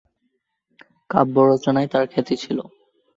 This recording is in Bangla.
কাব্য রচনায় তার খ্যাতি ছিল।